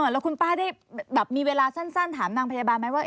แล้วคุณป้าได้แบบมีเวลาสั้นถามนางพยาบาลไหมว่า